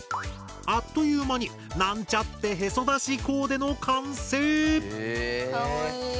あっという間になんちゃってヘソだしコーデの完成！へ。